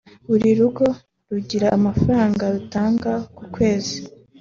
Buri rugo rugira amafaranga rutanga ku kwezi